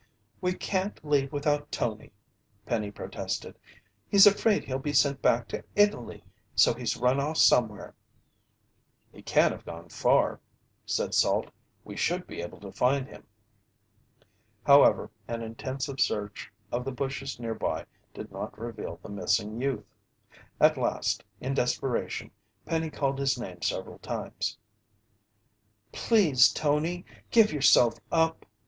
"We can't leave without Tony!" Penny protested. "He's afraid he'll be sent back to Italy, so he's run off somewhere!" "He can't have gone far," said Salt. "We should be able to find him." However, an intensive search of the bushes nearby did not reveal the missing youth. At last, in desperation, Penny called his name several times. "Please, Tony, give yourself up!"